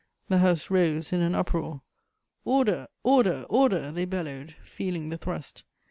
The House rose in an uproar: "Order! Order! Order!" they bellowed, feeling the thrust.